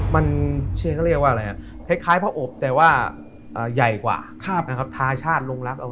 มันเชียงเรียกว่าอะไร